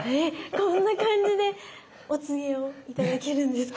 こんな感じでお告げを頂けるんですか？